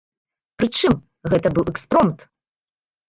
Прычым, гэта быў экспромт.